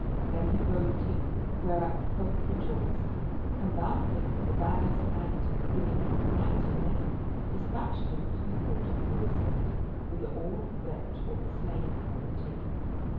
Then he robed him, whereat the folk re joiced, and bound for him the banners and, giving him a mighty many, dispatched him to the quarter aforesaid, whither all who went or were slain or were taken.